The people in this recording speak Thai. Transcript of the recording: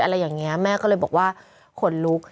อะไรอย่างนี้แม่ก็เลยบอกว่าขนลุก